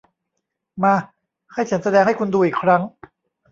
มา ให้ฉันแสดงให้คุณดูอีกครั้ง